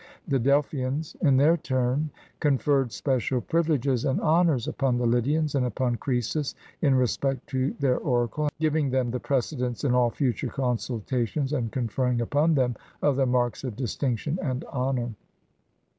The Dclphians, in their turn, conferred special privileges and honors upon the Lydians and upon Crcesus in respect to their oracle, giving them the precedence in all future consultations, and conferring upon them other marks of distinction and honor.